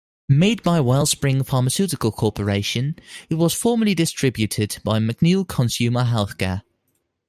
Made by WellSpring Pharmaceutical Corporation, it was formerly distributed by McNeil Consumer Healthcare.